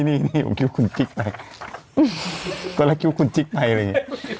นี่ผมคิดว่าคุณจิ๊กไปตอนแรกคิดว่าคุณจิ๊กไปเลย